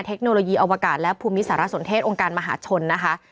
เทคโนโลยีอวกาศและภูมิสารสนเทศองค์การมหาชนนะคะ